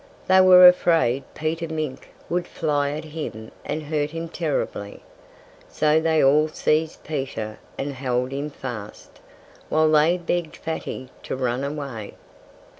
They were afraid Peter Mink would fly at him and hurt him terribly. So they all seized Peter and held him fast, while they begged Fatty to run away.